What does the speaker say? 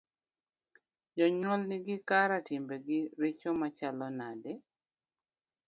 jonyuol nigo kara timbegi richo machalo nade?